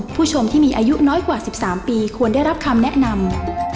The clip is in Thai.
ผู้ชมที่มีอายุน้อยกว่า๑๓ปีควรได้รับคำแนะนำ